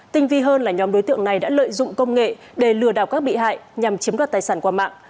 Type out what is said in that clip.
tinh vi hơn là nhóm đối tượng này đã lợi dụng công nghệ để lừa đảo các bị hại nhằm chiếm đoạt tài sản qua mạng